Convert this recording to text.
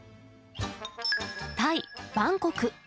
タイ・バンコク。